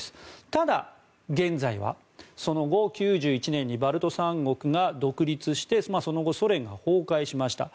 ただ、現在は、その後９１年にバルト三国が独立してその後、ソ連が崩壊しました。